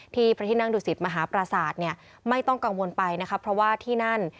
ที่ประทิศนังดุสิทธิ์มหาประสาทไม่ต้องกังวลไปเพราะว่าที่นั้น